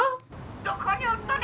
☎どこにおっとね？